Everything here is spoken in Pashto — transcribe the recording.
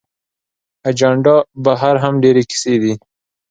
اجندا بهر هم ډېرې کیسې دي.